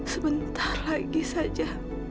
sebentar lagi saja